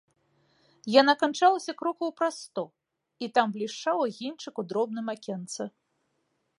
Яна канчалася крокаў праз сто, і там блішчаў агеньчык у дробным акенцы.